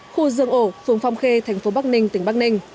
khu dương ổ phường phong khê thành phố bắc ninh tỉnh bắc ninh